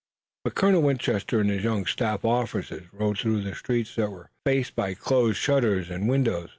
But Colonel Winchester and his young staff officers rode through streets that were faced by closed shutters and windows.